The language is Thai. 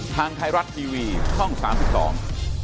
ทางไทยรัฐทีวีช่องสามสิบสอง